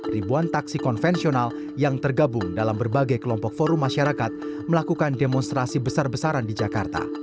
ribuan taksi konvensional yang tergabung dalam berbagai kelompok forum masyarakat melakukan demonstrasi besar besaran di jakarta